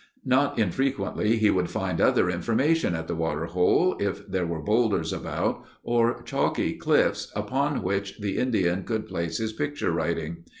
Not infrequently he would find other information at the water hole if there were boulders about, or chalky cliffs upon which the Indian could place his picture writing.